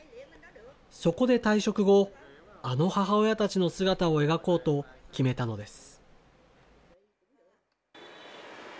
そこで退職後、あの母親たちの姿を描こうと決めたのです。